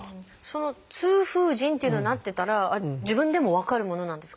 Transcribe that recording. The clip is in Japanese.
その痛風腎っていうのになってたら自分でも分かるものなんですか？